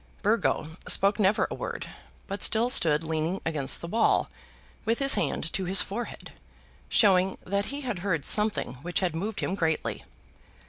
Burgo spoke never a word, but still stood leaning against the wall, with his hand to his forehead, showing that he had heard something which had moved him greatly.